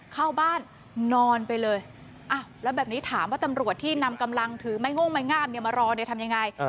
เข้าบ้านนอนไปเลยแล้วแบบนี้ถามว่าตำรวจที่นำกำลังถือไม้โง่งไม้งามเนี่ยมารอเนี่ยทำยังไง